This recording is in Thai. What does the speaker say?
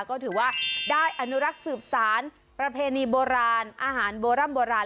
ก็ถือว่าได้อนุรักษ์สืบสารประเพณีโบราณอาหารโบร่ำโบราณ